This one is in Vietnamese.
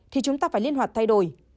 thì chúng ta phải liên hoạt thay đổi